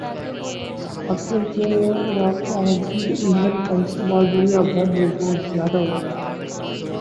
اب چونکہ رکازی ایندھن کا استعمال دنیا بھر میں بہت زیادہ ہورہا ہے